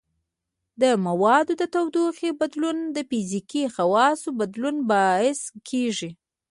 د موادو د تودوخې بدلون د فزیکي خواصو بدلون باعث کیږي.